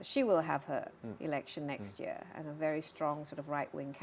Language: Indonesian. hal hal yang buruk